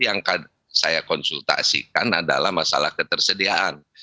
yang saya konsultasikan adalah masalah ketersediaan